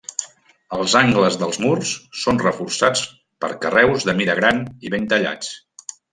Els angles dels murs són reforçats per carreus de mida gran i ben tallats.